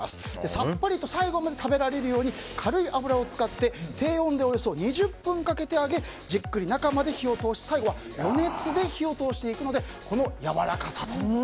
さっぱりと最後まで食べられるように軽い油を使って低温でおよそ２０分かけて揚げじっくり中まで火を通し最後は余熱で火を通していくのでこのやわらかさという。